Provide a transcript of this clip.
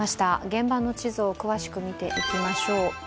現場の地図を詳しく見ていきましょう。